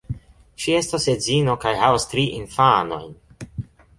Ŝi estas edzino kaj havas tri infanojn.